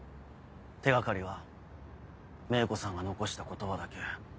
手掛かりは芽衣子さんが残した言葉だけ。